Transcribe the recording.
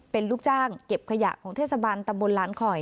เป็นลูกจ้างเก็บขยะของเทศบาลตำบลล้านคอย